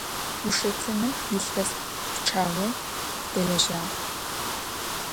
Ушэтыным илъэс пчъагъэ дэлэжьагъ.